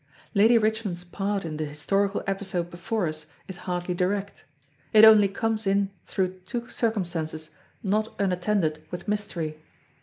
Lady Richmond's part in the historical episode before us is hardly direct. It only comes in through two circumstances not unattended with mystery.